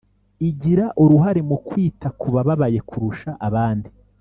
igira uruhare mu kwita ku bababaye kurusha abandi,